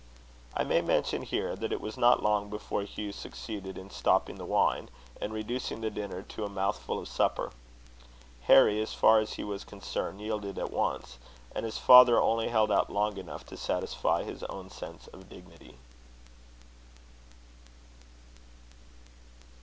I may mention here, that it was not long before Hugh succeeded in stopping the wine, and reducing the dinner to a mouthful of supper. Harry, as far as he was concerned, yielded at once; and his father only held out long enough to satisfy his own sense of dignity.